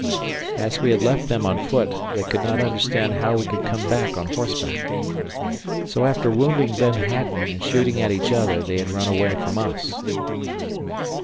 As we had left them on foot, they could not understand how we could come back on horseback. So after wounding Ben Hatton and shooting at each other, they had run away from us.